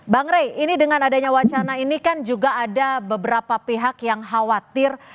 bang rey ini dengan adanya wacana ini kan juga ada beberapa pihak yang khawatir